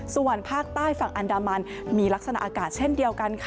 ส่วนภาคใต้ฝั่งอันดามันมีลักษณะอากาศเช่นเดียวกันค่ะ